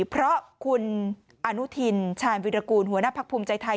เพราะคุณอนุทินชาญวิรากูลหัวหน้าพักภูมิใจไทย